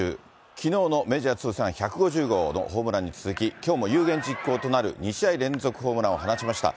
きのうのメジャー通算１５０号のホームランに続き、きょうも有言実行となる２試合連続ホームランを放ちました。